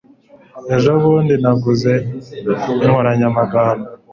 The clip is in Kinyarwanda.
Ejo bundi naguze inkoranyamagambo.